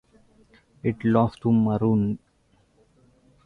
It lost to "Marooned".